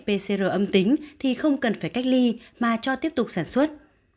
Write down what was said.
nếu phải pcr âm tính thì không cần phải cách ly mà cho tiếp tục sản xuất